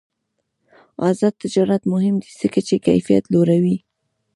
آزاد تجارت مهم دی ځکه چې کیفیت لوړوي.